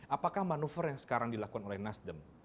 apakah manuver yang sekarang dilakukan oleh nasdem